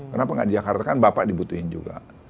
kenapa nggak di jakarta kan bapak dibutuhin juga